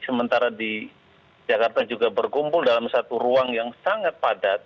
sementara di jakarta juga berkumpul dalam satu ruang yang sangat padat